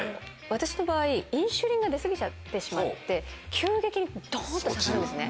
私の場合インスリンが出過ぎてしまって急激にドン！と下がるんですね。